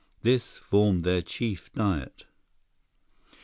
This formed their chief diet.